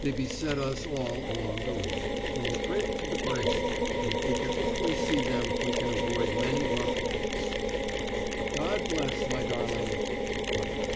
They beset us all along the route, from the cradle to the grave, and if we can only see them we can avoid many rough bumps. God bless my darling! PAPA.